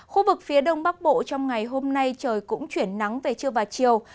khu vực phía đông bắc bộ trong ngày hôm nay trời cũng chuyển nắng về trưa và chiều